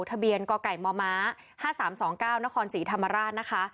ทะเบียนกม๕๓๒๙นศธรรมราช